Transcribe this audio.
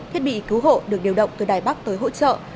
thiết bị cứu hộ được điều động từ đài bắc tới hỗ trợ